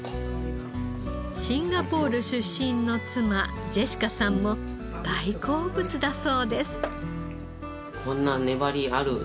シンガポール出身の妻ジェシカさんも大好物だそうです。